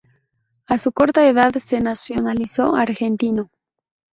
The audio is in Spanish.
A su corta edad se nacionalizó argentino.